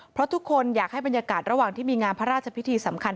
เพราะทุกคนอยากให้บรรยากาศระหว่างที่มีงานพระราชพิธีสำคัญ